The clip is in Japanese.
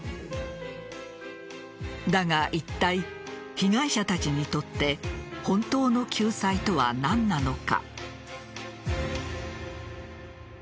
だがいったい被害者たちにとって本当の救済とは何なのか。